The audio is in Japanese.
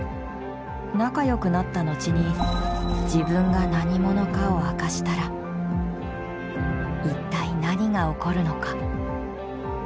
仲よくなった後に自分が何者かを明かしたら一体何が起こるのか？